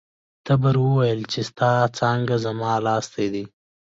تبر وویل چې ستا څانګه زما لاستی دی.